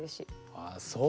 ああそう。